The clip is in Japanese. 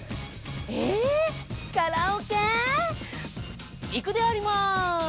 えカラオケ？行くであります！